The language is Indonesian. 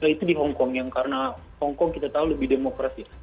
itu di hongkong yang karena hongkong kita tahu lebih demokratis